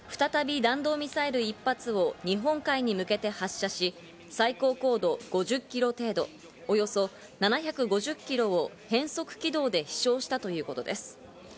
さらに午前６時４２分頃、再び弾道ミサイル１発を日本海に向けて発射し、最高高度５０キロ程度、およそ７５０キロを変則軌道で飛翔したということです。